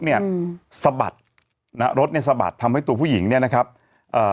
เนี้ยอืมสะบัดนะฮะรถเนี้ยสะบัดทำให้ตัวผู้หญิงเนี้ยนะครับเอ่อ